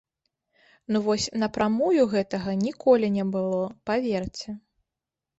Ну вось напрамую гэтага ніколі не было, паверце!